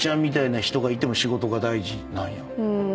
うん。